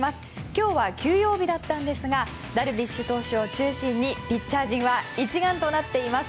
今日は休養日だったんですがダルビッシュ投手を中心にピッチャー陣が一丸となっています。